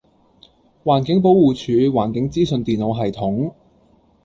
環境保護署環境資訊電腦系統